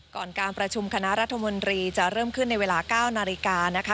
การประชุมคณะรัฐมนตรีจะเริ่มขึ้นในเวลา๙นาฬิกานะคะ